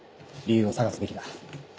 理由を探すべきだ。